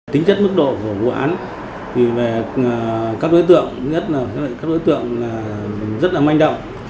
tính chất mức độ của vụ án thì về các đối tượng nhất là các đối tượng rất là manh động